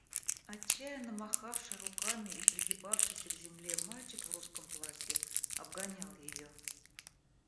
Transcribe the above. Отчаянно махавший руками и пригибавшийся к земле мальчик в русском платье обгонял ее.